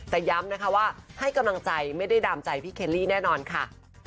แต่ย้ำนะคะว่าให้กำลังใจไม่ได้ดามใจพี่เคลลี่แน่นอนค่ะ